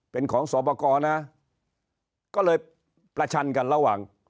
เป็นของสอบประกอบนะก็เลยประชันกันระหว่าง